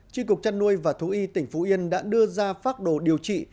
tri cục trăn nuôi và thú y tỉnh phú yên đã đưa ra phác đồ điều trị